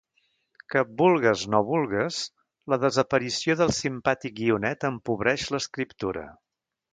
Que, vulgues no vulgues, la desaparició del simpàtic guionet empobreix l'escriptura.